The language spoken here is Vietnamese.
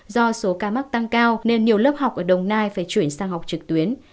do số ca mắc tăng cao nên nhiều lớp học ở đồng nai phải chuyển sang học trực tuyến